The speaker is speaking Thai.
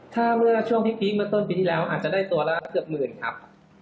ถ้าเมื่อช่วงพีคเมื่อต้นปีที่แล้วอาจจะได้ตัวละเกือบหมื่นครับ